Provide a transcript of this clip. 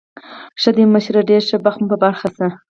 ښه ده، مشره، ډېر ښه بخت مو په برخه شه.